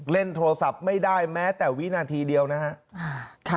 เล่นโทรศัพท์ไม่ได้แม้แต่วินาทีเดียวนะครับ